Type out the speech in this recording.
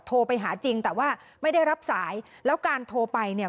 โทรไปหาจริงแต่ว่าไม่ได้รับสายแล้วการโทรไปเนี่ย